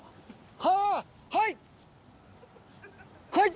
はい。